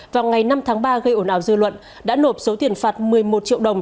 vào ngày năm tháng ba gây ổn ảo dư luận đã nộp số tiền phạt một mươi một triệu đồng